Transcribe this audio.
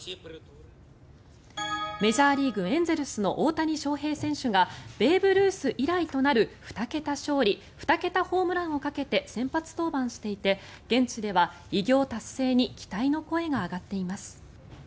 メジャーリーグエンゼルスの大谷翔平選手がベーブ・ルース以来となる２桁勝利２桁ホームランをかけて先発登板していて現地では偉業達成に期待の声が上がっています。